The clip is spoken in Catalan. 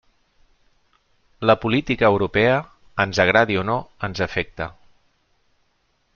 La política europea, ens agradi o no, ens afecta.